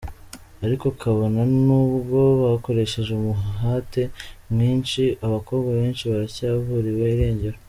Ariko kabone n'ubwo bakoresheje umuhate mwinshi, abakobwa benshi baracyaburiwe irengero.